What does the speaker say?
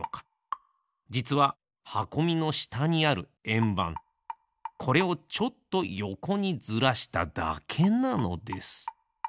じつははこみのしたにあるえんばんこれをちょっとよこにずらしただけなのです。